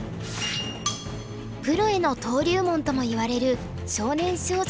プロへの登竜門ともいわれる少年少女囲碁大会。